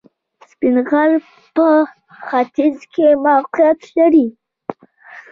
سپین غر په ختیځ کې موقعیت لري